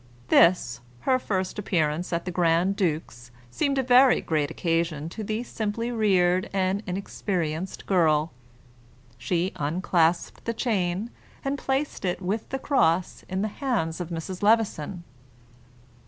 This, her first appearance at the grand duke's, seemed a very great occasion to the simply reared and inexperienced girl. She unclasped the chain, and placed it with the cross in the hands of Mrs. Levison.